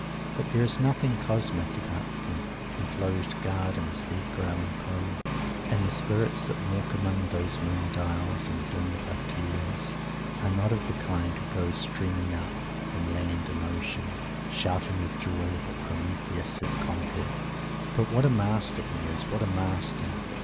But there is nothing "cosmic" about the enclosed gardens of Edgar Allen Poe; and the spirits that walk among those Moon dials and dim Parterres are not of the kind who go streaming up, from land and ocean, shouting with joy that Prometheus has conquered! But what a master he is what a master!